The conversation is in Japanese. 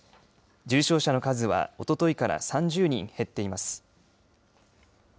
重症者の数はおとといから３０人減っています。